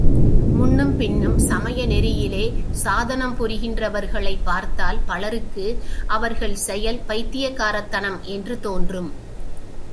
முன்னும் பின்னும் சமய நெறியிலே சாதனம் புரிகின்றவர்களைப் பார்த்தால் பலருக்கு அவர்கள் செயல் பைத்தியக்காரத்தனம் என்று தோன்றும்.